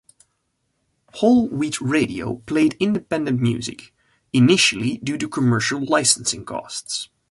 Whole Wheat Radio played independent music, initially due to commercial licensing costs.